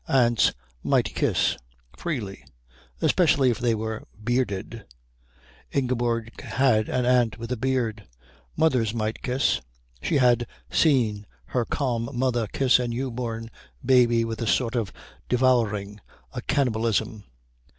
Aunts might kiss: freely. Especially if they were bearded Ingeborg had an aunt with a beard. Mothers might kiss; she had seen her calm mother kiss a new born baby with a sort of devouring, a cannibalism.